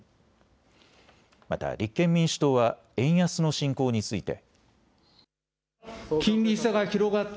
また立憲民主党は円安の進行について。